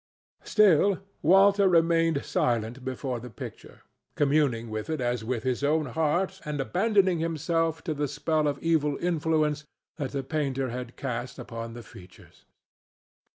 Still, Walter remained silent before the picture, communing with it as with his own heart and abandoning himself to the spell of evil influence that the painter had cast upon the features.